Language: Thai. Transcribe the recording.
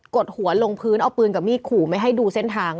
ดหัวลงพื้นเอาปืนกับมีดขู่ไม่ให้ดูเส้นทาง